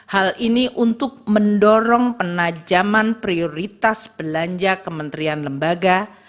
hal ini untuk mendorong penajaman prioritas belanja kementerian lembaga